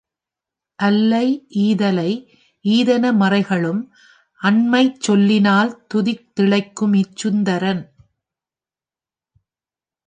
அல்லை ஈதல்லை ஈதென மறைகளும் அன்மைச் சொல்லி னால்துதித் திளைக்குமிச் சுந்தரன்.